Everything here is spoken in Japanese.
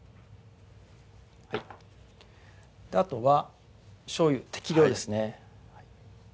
あとはしょうゆ適量ですね